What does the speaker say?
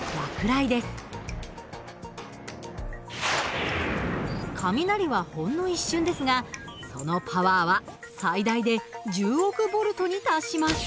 雷はほんの一瞬ですがそのパワーは最大で１０億ボルトに達します。